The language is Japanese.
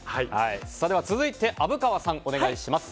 では続いて、虻川さんお願いします。